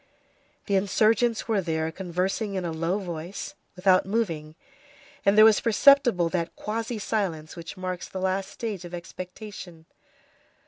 The insurgents were here conversing in a low voice, without moving, and there was perceptible that quasi silence which marks the last stage of expectation.